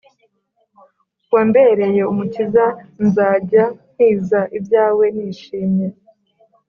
Wambereye umukiza nzajya nkwiza ibyawe nishimye